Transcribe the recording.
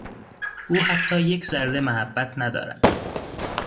او حتی یک ذره محبت ندارد.